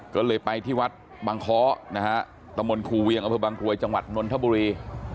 ก็เลยไปที่วัดบางเคาะนะฮะตะมนต์ครูเวียงอำเภอบางกรวยจังหวัดนนทบุรี